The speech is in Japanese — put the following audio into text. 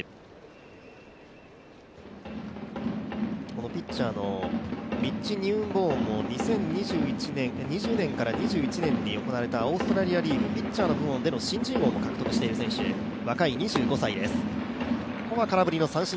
このピッチャーのミッチ・ニューンボーンも２０２０年から２１年に行われたオーストラリアリーグ、ピッチャーの部門で新人王も獲得している選手、若い２５歳です。